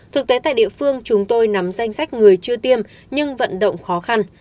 thực tế tại địa phương chúng tôi nắm danh sách người chưa tiêm nhưng vận động khó khăn